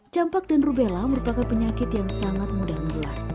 campak dan rubella merupakan penyakit yang sangat mudah menular